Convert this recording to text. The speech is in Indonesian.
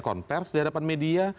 konvers di hadapan media